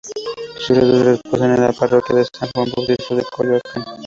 Sus restos reposan en la Parroquia de San Juan Bautista de Coyoacán.